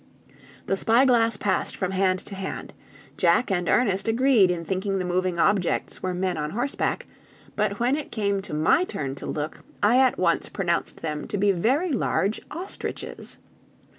The spyglass passed from hand to hand; Jack and Ernest agreed in thinking the moving objects were men on horseback; but when it came to my turn to look, I at once pronounced them to be very large ostriches.